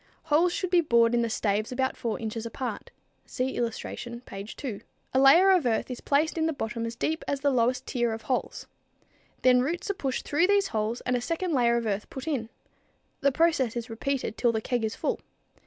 Holes should be bored in the staves about 4 inches apart. (See illustration, page 2.) A layer of earth is placed in the bottom as deep as the lowest tier of holes. Then roots are pushed through these holes and a second layer of earth put in. The process is repeated till the keg is full.